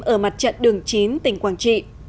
ở mặt trận đường chín tỉnh quảng trị